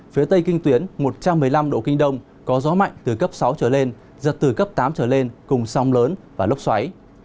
phía tây kinh tuyến một trăm một mươi năm độ kinh đông có gió mạnh từ cấp sáu trở lên giật từ cấp tám trở lên cùng sông lớn và lốc xoáy